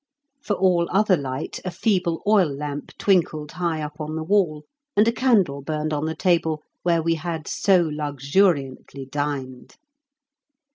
For all other light a feeble oil lamp twinkled high up on the wall, and a candle burned on the table where we had so luxuriantly dined.